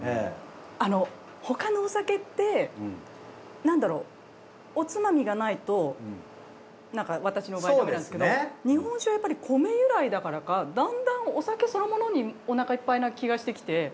あの他のお酒ってなんだろうおつまみがないと私の場合ダメなんですけど日本酒はやっぱり米由来だからかだんだんお酒そのものにおなかいっぱいな気がしてきて。